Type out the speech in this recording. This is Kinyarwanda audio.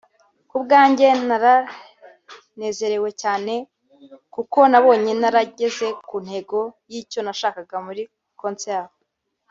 "Ku bwanjye naranezerewe cyaneee kuko nabonye narageze ku ntego y'icyo nashakaga muri concert